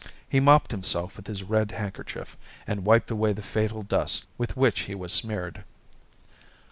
He mopped himself with his red handkerchief, and wiped away the fatal dust with which he was smeared.